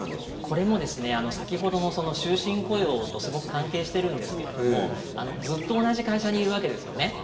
これも先ほどの終身雇用とすごく関係してるんですけどもずっと同じ会社にいるわけですよね。